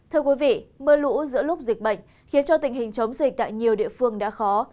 thưa quý vị mưa lũ giữa lúc dịch bệnh khiến cho tình hình chống dịch tại nhiều địa phương đã khó